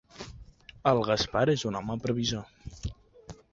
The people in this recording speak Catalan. El Gaspar és un home previsor.